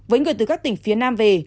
với người từ các tỉnh phía nam về